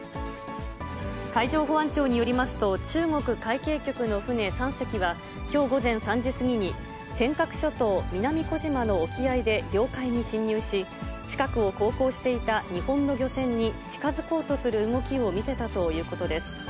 海上保安庁によりますと、中国海警局の船３隻は、きょう午前３時過ぎに、尖閣諸島南小島の沖合で領海に侵入し、近くを航行していた日本の漁船に近づこうとする動きを見せたということです。